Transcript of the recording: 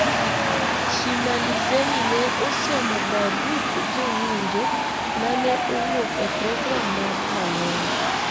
Chimalizeni ne osomo barup jowinjo ma ne owuok e program mar rang'ong